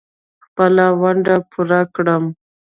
خپله ونډه پوره کړم.